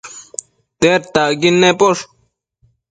Tedtacquid naposh